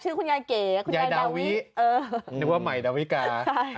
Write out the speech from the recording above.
ชื่อคุณยายเก๋คุณยายดาวิเออนึกว่าใหม่ดาวิกาใช่